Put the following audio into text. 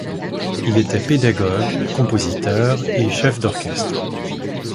Il était pédagogue, compositeur et chef d'orchestre.